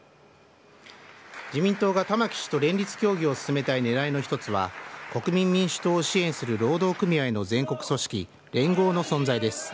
自民党が玉木氏と連立協議を進めたいねらいの一つは、国民民主党を支援する労働組合の全国組織、連合の存在です。